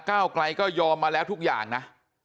ก้าวไกลก็ยอมมาแล้วทุกอย่างนะ